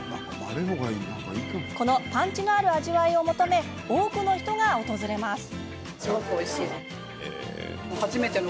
このパンチのある味わいを求め多くの人が訪れます。